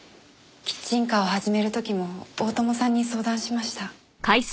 キッチンカーを始める時も大友さんに相談しました。